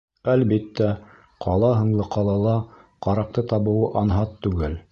Әлбиттә, ҡала һынлы ҡалала ҡараҡты табыуы анһат түгел.